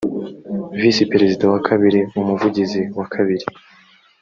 visi perezida wa kabiri umuvugizi wa kabiri